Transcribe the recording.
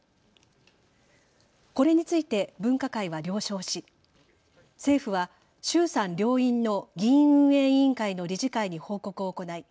これについて分科会は了承し政府は衆参両院の議院運営委員会の理事会に報告を行い